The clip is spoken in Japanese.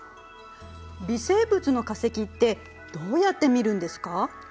微生物の化石ってどうやって見るんですか？